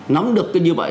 nắm được cái như vậy